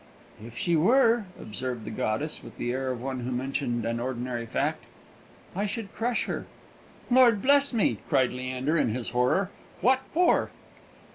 "If she were," observed the goddess, with the air of one who mentioned an ordinary fact, "I should crush her!" "Lord bless me!" cried Leander, in his horror. "What for?"